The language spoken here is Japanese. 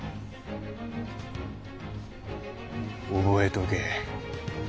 覚えとけ。